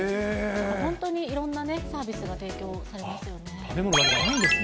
本当にいろんなサービスが提供されますよね。